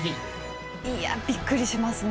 いやー、びっくりしますね。